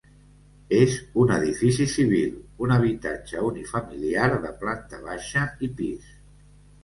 És un edifici civil, un habitatge unifamiliar de planta baixa i pis.